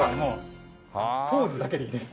ポーズだけでいいです。